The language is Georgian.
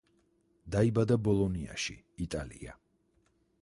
დაიბადა ბოლონიაში, იტალია.